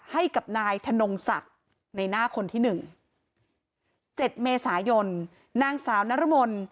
ให้กับนายธนงศักดิ์ในหน้าคนที่๑๗เมษายนนางสาวนรมน